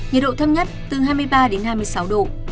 nhiệt độ thấp nhất từ hai mươi ba đến hai mươi sáu độ